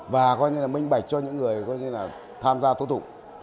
và minh bạch cho những người tham gia tố thụ